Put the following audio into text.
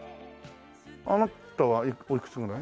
あなたはおいくつぐらい？